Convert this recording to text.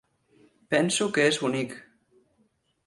Penso que és bonic.